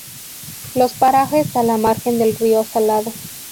Los parajes a la margen del río Salado.